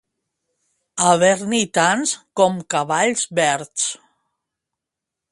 Haver-n'hi tants com cavalls verds.